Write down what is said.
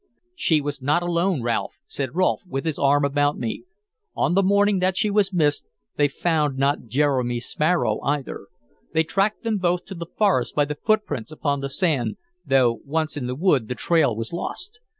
"She was not alone, Ralph," said Rolfe, with his arm about me. "On the morning that she was missed, they found not Jeremy Sparrow either. They tracked them both to the forest by the footprints upon the sand, though once in the wood the trail was lost.